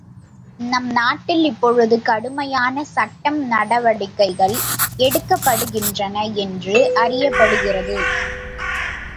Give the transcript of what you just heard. நம் நாட்டில் இப்பொழுது கடுமையான சட்டம் நடவடிக்கைகள் எடுக்கப்படுகின்றன என்று அறியப்படுகிறது.